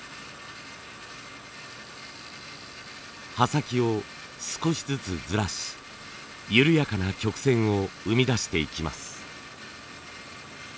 刃先を少しずつずらし緩やかな曲線を生み出していきます。